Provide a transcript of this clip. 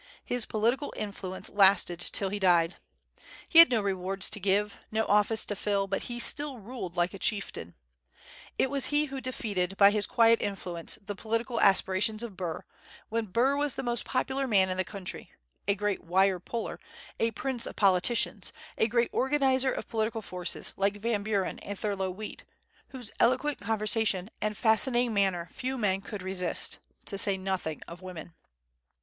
His political influence lasted till he died. He had no rewards to give, no office to fill, but he still ruled like a chieftain. It was he who defeated by his quiet influence the political aspirations of Burr, when Burr was the most popular man in the country, a great wire puller, a prince of politicians, a great organizer of political forces, like Van Buren and Thurlow Weed, whose eloquent conversation and fascinating manner few men could resist, to say nothing of women.